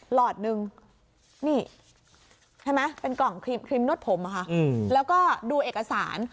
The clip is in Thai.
หลอดนึงนี่ใช่ไหมเป็นกล่องครีมนวดผมอะค่ะแล้วก็ดูเอกสาร